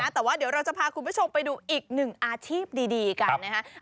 แต่ว่าเดี๋ยวเราจะพาคุณผู้ชมไปดูอีกหนึ่งอาชีพดีกันนะครับ